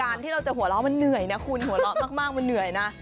ที่เราจะหัวเราะมันเหนื่อยนะคุณหัวเราะมากมันเหนื่อยนะ